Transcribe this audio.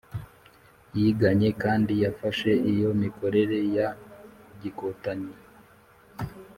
yiganye kandi yafashe iyo mikorere ya gikotanyi.